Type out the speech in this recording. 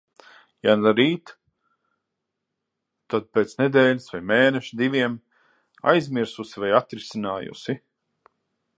Ja ne rīt, tad pēc nedēļas vai mēneša, diviem. Aizmirsusi vai atrisinājusi.